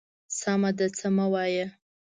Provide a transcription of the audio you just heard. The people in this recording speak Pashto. _سمه ده، څه مه وايه.